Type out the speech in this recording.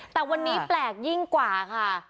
แต่วันนี้แปลกยิ่งกว่าค่ะ